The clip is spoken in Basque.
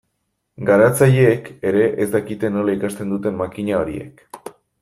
Garatzaileek ere ez dakite nola ikasten duten makina horiek.